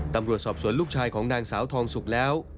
ตำรวจสอบสวนลูกชายของนางสาวทองสุกแล้ว